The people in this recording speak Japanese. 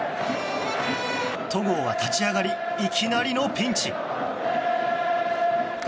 戸郷は立ち上がりいきなりのピンチ。